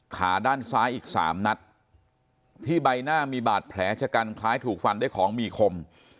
ขาด้านซ้ายอีกสามนัดที่ใบหน้ามีบาดแผลชะกันคล้ายถูกฟันด้วยของมีคม